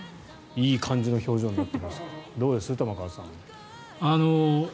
いい感じの表情になってますけどどうです、玉川さん。